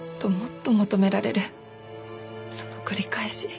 その繰り返し。